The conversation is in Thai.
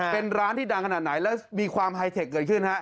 เป็นร้านที่ดังขนาดไหนแล้วมีความไฮเทคเกิดขึ้นฮะ